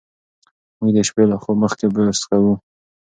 موږ د شپې له خوب مخکې برس کوو.